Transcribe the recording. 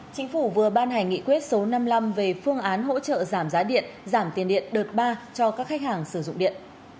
chính phủ vừa ban hành nghị quyết số năm mươi năm về phương án hỗ trợ giảm giá điện giảm tiền điện đợt ba cho các khách hàng sử dụng điện